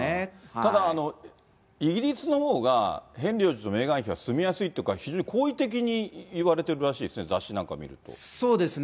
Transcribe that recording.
ただ、イギリスのほうが、ヘンリー王子とメーガン妃は住みやすいっていうか、非常に好意的に言われてるらしいですね、そうですね。